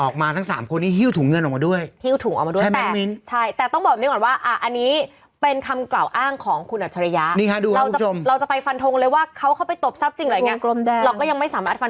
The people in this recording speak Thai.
ความรู้สึกว่านี้ที่ออกมาทั้ง๓คนนี้ฮิ้วถุงเงินออกมาด้วย